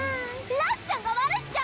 ランちゃんが悪いっちゃ！